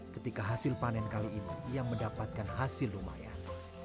ketika hasil panen kali ini ia mendapatkan hasil lumayan